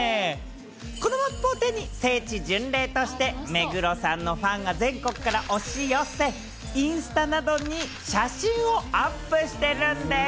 このマップを手に聖地巡礼として、目黒さんのファンが全国から押し寄せ、インスタなどに写真をアップしてるんです。